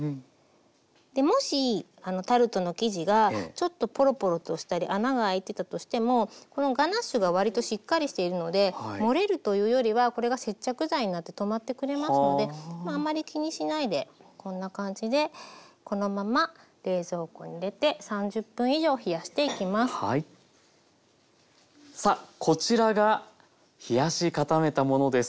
もしタルトの生地がちょっとポロポロとしたり穴があいてたとしてもこのガナッシュが割としっかりしているので漏れるというよりはこれが接着剤になって止まってくれますのでまああんまり気にしないでこんな感じでこのままさあこちらが冷やし固めたものです。